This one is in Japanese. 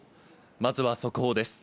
まずは速報です。